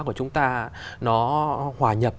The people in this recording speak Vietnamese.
của chúng ta nó hòa nhập